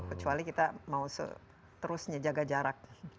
kecuali kita mau seterusnya jaga jarak